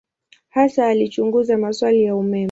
Hasa alichunguza maswali ya umeme.